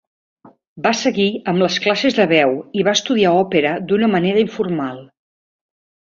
Va seguir amb les classes de veu i va estudiar òpera d'una manera informal.